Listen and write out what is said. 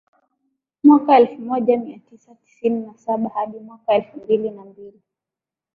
mwaka elfu moja mia tisa tisini na saba hadi mwaka elfu mbili na mbili